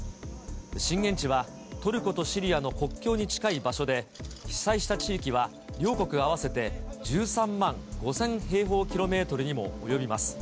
震源地は、トルコとシリアの国境に近い場所で、被災した地域は両国合わせて１３万５０００平方キロメートルにも及びます。